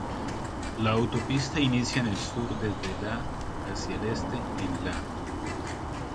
La autopista inicia en el sur desde la hacia el este en la.